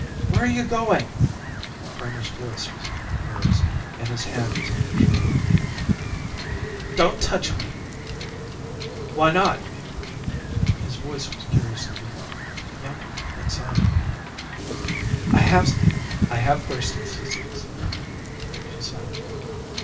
Where are you going?" Kramer's voice was in her ears, and his hand was on her shoulder. "Don't touch me!" "Why not?" His voice was curiously different. Younger, excited. "I have Thurston's Disease," she said.